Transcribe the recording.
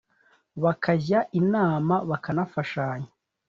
Bakajya inama bakanafashanya